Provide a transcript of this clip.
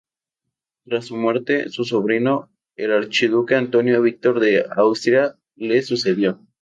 Tras su muerte, su sobrino, el archiduque Antonio Víctor de Austria, le sucedió.